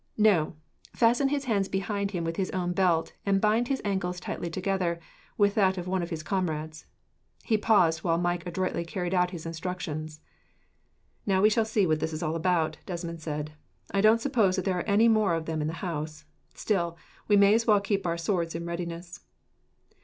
"No. Fasten his hands behind him, with his own belt; and bind his ankles tightly together, with that of one of his comrades." He paused, while Mike adroitly carried out his instructions. "Now we will see what this is all about," Desmond said. "I don't suppose that there are any more of them in the house. Still, we may as well keep our swords in readiness."